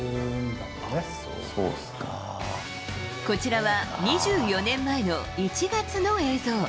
こちらは２４年前の１月の映像。